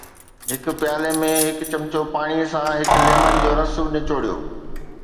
هڪ پيالي ۾ هڪ چمچو پاڻي سان هڪ ليمن جو رس نچوڙيو